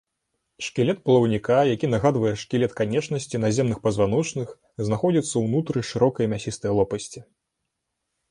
Шкілет плаўніка, які нагадвае шкілет канечнасці наземных пазваночных, знаходзіцца ўнутры шырокай мясістай лопасці.